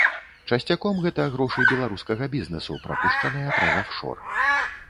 Часцяком гэта грошы беларускага бізнэсу, прапушчаныя праз афшор.